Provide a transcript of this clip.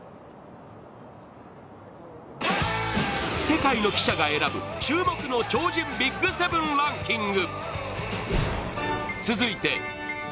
世界の記者が選ぶ注目の超人ＢＩＧ７ランキング。